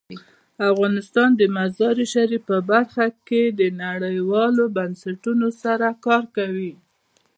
افغانستان د مزارشریف په برخه کې نړیوالو بنسټونو سره کار کوي.